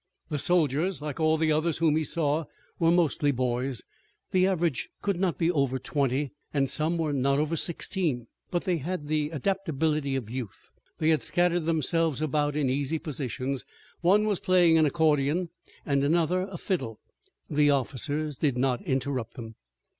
The soldiers, like all the others whom he saw, were mostly boys. The average could not be over twenty, and some were not over sixteen. But they had the adaptability of youth. They had scattered themselves about in easy positions. One was playing an accordion, and another a fiddle. The officers did not interrupt them.